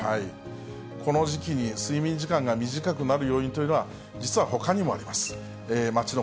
この時期に、睡眠時間が短くなる要因というのは、実はほかにもあります。